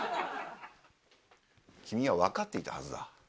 君は分かっていたはずだ。